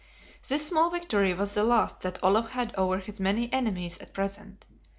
This small victory was the last that Olaf had over his many enemies at present.